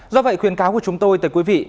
do vậy khuyến cáo của chúng tôi tới quý vị